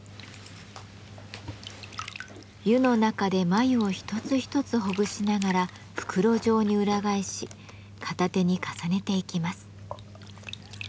湯の中で繭を一つ一つほぐしながら袋状に裏返し片手に重ねていきます。